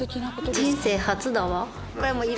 人生初だわ。